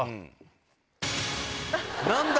何だ？